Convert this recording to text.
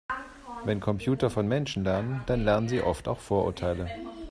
Wenn Computer von Menschen lernen, dann lernen sie oft auch Vorurteile.